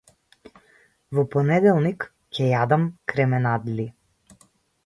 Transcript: Во понеделник ќе јадам кременадли.